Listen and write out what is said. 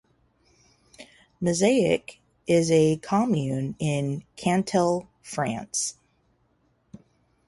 Massiac is a commune in Cantal, France.